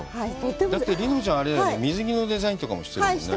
だって梨乃ちゃんあれだよね、水着のデザインもしてるよね？